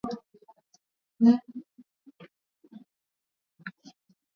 mwa miaka ya tisini Hapa tunakutana na mtu muhimu sana ambaye kama ukimuita ndiye